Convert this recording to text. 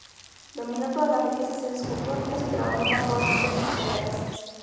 Dominó todas las riquezas escultóricas y trabajó con todo tipo de materiales.